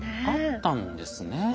あったんですね。